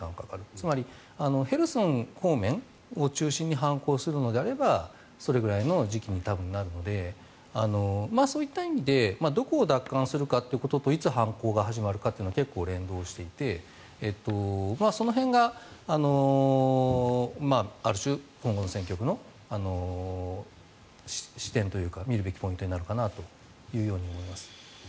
つまり、ヘルソン方面を中心に反攻するのであればそのぐらいに時期になるのでそういった意味でどの地域を奪還するのかといつ反攻が始まるかは結構、連動していてその辺がある種、今後の戦局の視点というか見るべきポイントになるかなというように思います。